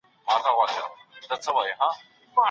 په لرو پرتو سیمو کي قابله ګاني سته؟